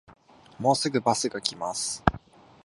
もうすぐバスが来ます